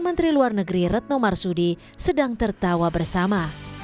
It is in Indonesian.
menteri luar negeri retno marsudi sedang tertawa bersama